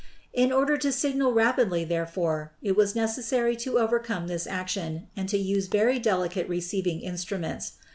In order to signal rapidly, therefore, it was necessary to overcome this action and to use very delicate receiving instruments.